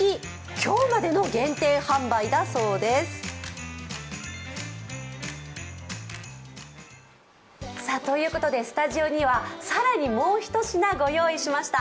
今日までの限定販売だそうです。ということで、スタジオには更にもうひと品ご用意しました。